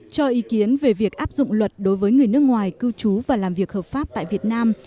cho ý kiến về việc áp dụng luật đối với người nước ngoài cư trú và làm việc hợp pháp tại việt nam